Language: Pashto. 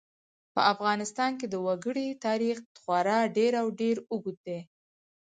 په افغانستان کې د وګړي تاریخ خورا ډېر او ډېر اوږد دی.